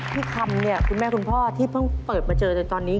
คำเนี่ยคุณแม่คุณพ่อที่เพิ่งเปิดมาเจอจนตอนนี้